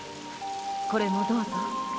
〔これもどうぞ。